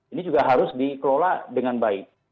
ini juga harus dikelola dengan baik